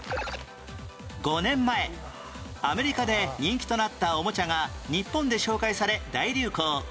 ５年前アメリカで人気となったおもちゃが日本で紹介され大流行